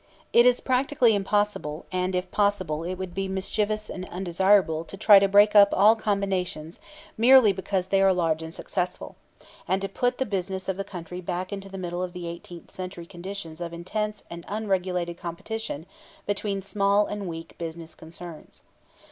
It is practically impossible, and, if possible, it would be mischievous and undesirable, to try to break up all combinations merely because they are large and successful, and to put the business of the country back into the middle of the eighteenth century conditions of intense and unregulated competition between small and weak business concerns.